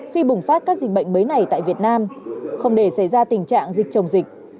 khi bùng phát các dịch bệnh mới này tại việt nam không để xảy ra tình trạng dịch chồng dịch